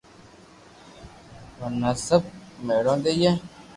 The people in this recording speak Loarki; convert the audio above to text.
ورنہ سب ميڙون ديئي